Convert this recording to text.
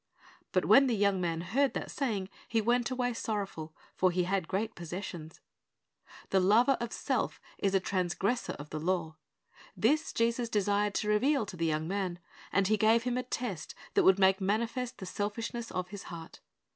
But when the young man heard that say ing, he went away sorrowful; for he had great possessions." The lover of self is a trans gressor of the law. This Jesus desired to reveal to the young man, and He gave him a test that would make manifest the selfishness of his heart.